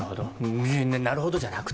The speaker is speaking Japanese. なるななるほどじゃなくて。